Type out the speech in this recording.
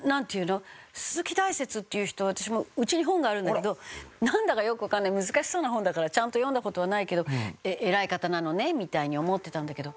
鈴木大拙っていう人は私もうちに本があるんだけどなんだかよくわかんない難しそうな本だからちゃんと読んだ事はないけど偉い方なのねみたいに思ってたんだけど。